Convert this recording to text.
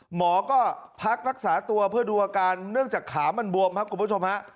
หมอก็พักรักษาตัวเพื่อดูอาการเนื่องจากขามันบวมครับคุณผู้ชมฮะ